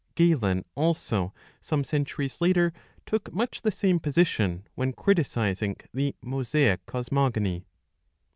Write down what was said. "^ Galen, also, some centuries later, took much the same position, when criticising the Mosaic cosmogony.''